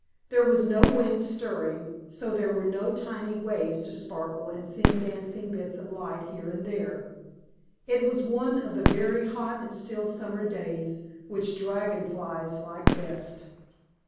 There was no wind stirring, so there were no tiny waves to sparkle and send dancing bits of light here and there. It was one of the very hot and still summer days, which Dragon Flies like best.